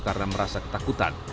karena merasa ketakutan